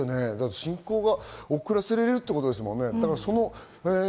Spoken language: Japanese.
進行を遅らせられるということですからね。